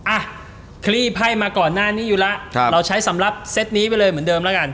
อ่ะคลี่ไพ่มาก่อนหน้านี้อยู่แล้วเราใช้สำหรับเซตนี้ไปเลยเหมือนเดิมแล้วกัน